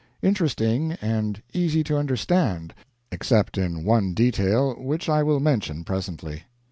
Interesting, and easy to understand except in one detail, which I will mention presently.